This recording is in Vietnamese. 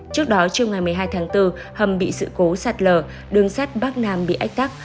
trước đó chiều ngày một mươi hai tháng bốn hầm bị sự cố sạt lở đường sắt bắc nam bị ách tắc